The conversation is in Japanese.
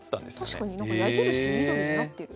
確かに矢印緑になってる。